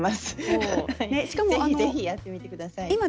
ぜひぜひ、やってみてください。